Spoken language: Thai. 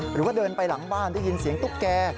หรือว่าเดินไปหลังบ้านได้ยินเสียงตุ๊กแก่